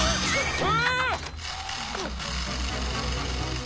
うわ！